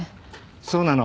そうなの。